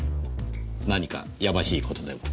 何かやましいことでも？